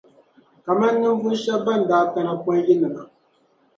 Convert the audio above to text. Kamani ninvuɣu shεba ban daa kana pɔi ni yinima